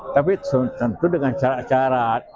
tapi tentu dengan syarat syarat